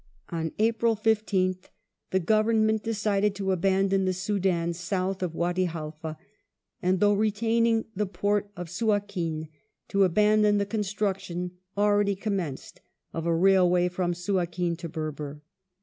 On April 15th the Government decided to abandon the Soudan south of Wady Haifa, and, though retain ing the port of Suakim, to abandon the construction, already commenced, of a railway from Suakim to Berber.